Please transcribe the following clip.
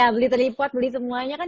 beli terlipat beli semuanya kan